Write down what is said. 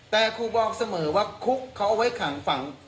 แต่ครูบอกเสมอว่าคุกเขาเอาไว้ขังฝัง